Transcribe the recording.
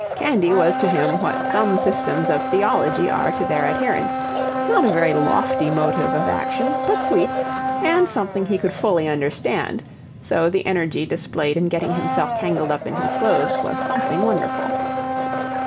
Candy was to him what some systems of theology are to their adherents not a very lofty motive of action but sweet, and something he could fully understand; so the energy displayed in getting himself tangled up in his clothes was something wonderful.